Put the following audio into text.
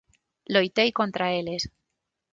Loitei contra eles.